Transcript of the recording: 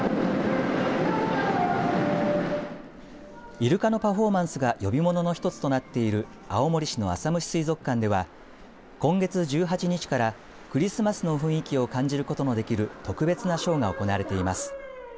イルカのパフォーマンスが呼び物の１つとなっている青森市の浅虫水族館では今月１８日からクリスマスの雰囲気を感じることのできる特別なショーが行われています。